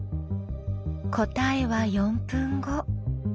答えは４分後。